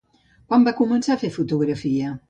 Quan va començar a fer fotografies?